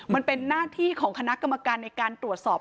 มันเป็นหน้าที่ของคณะกรรมการในการตรวจสอบ